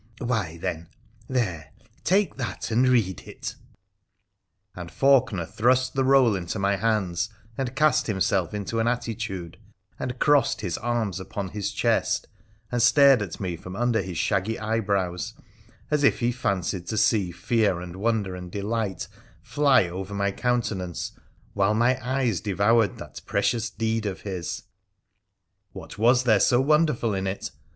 ' Why, then— there, take that and read it,' and Faulkener thrust the roll into my hands, and cast himself into an attitude, and crossed his arms upon his chest, and stared at me from under his shaggy eyebrows as if he fancied to see fear and wonder and delight fly over my countenance while my eyes devoured that precious deed of his. What was there so wonderful in it